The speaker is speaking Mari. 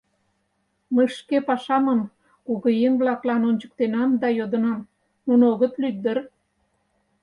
Мый шке пашамым кугыеҥ-влаклан ончыктенам да йодынам: нуно огыт лӱд дыр?